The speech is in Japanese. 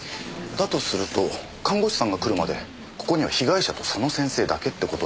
だとすると看護師さんが来るまでここには被害者と佐野先生だけってことになりますけど。